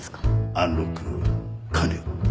アンロック完了。